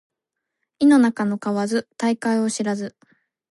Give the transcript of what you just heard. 井の中の蛙大海を知らず